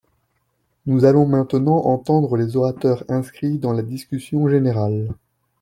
Nous allons maintenant entendre les orateurs inscrits dans la discussion générale.